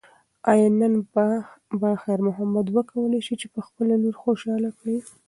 ایا نن به خیر محمد وکولی شي چې خپله لور خوشحاله کړي؟